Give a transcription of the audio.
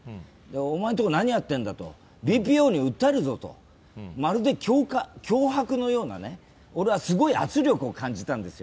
おまえんとこ何やってんだと、ＢＰＯに訴えるぞと、まるで脅迫のような、俺はすごい圧力を感じたんですよ。